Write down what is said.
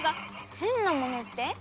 へんなものって？